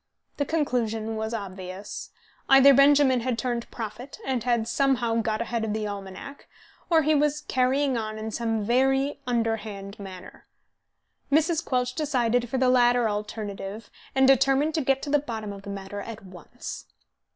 The conclusion was obvious: either Benjamin had turned prophet, and had somehow got ahead of the almanac, or he was "carrying on" in some very underhand manner. Mrs. Quelch decided for the latter alternative, and determined to get to the bottom of the matter at once.